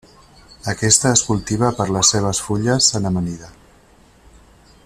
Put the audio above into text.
Aquesta es cultiva per les seves fulles en amanida.